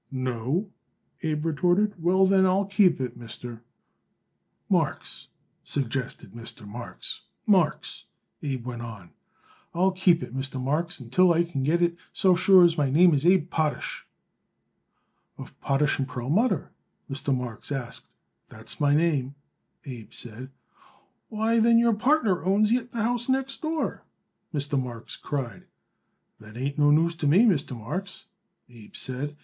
"No?" Abe retorted. "Well, then, I'll keep it, Mister " "Marks," suggested Mr. Marks. "Marks," Abe went on. "I'll keep it, Mr. Marks, until I can get it, so sure as my name is Abe Potash." "Of Potash & Perlmutter?" Mr. Marks asked. "That's my name," Abe said. "Why, then, your partner owns yet the house next door!" Mr. Marks cried. "That ain't no news to me, Mr. Marks," Abe said.